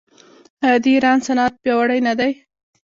آیا د ایران صنعت پیاوړی نه دی؟